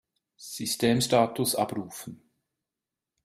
Systemstatus abrufen!